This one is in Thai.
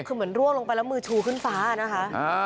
คือเหมือนร่วงลงไปแล้วมือชูขึ้นฟ้านะคะ